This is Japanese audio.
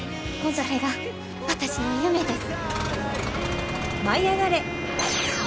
それが私の夢です。